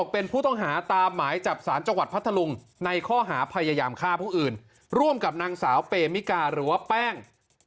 เปมิกาหรือว่าแป้ง